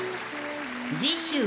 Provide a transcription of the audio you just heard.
［次週］